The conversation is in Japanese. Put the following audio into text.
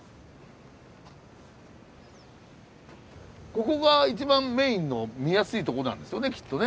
ここが一番メインの見やすいとこなんでしょうねきっとね。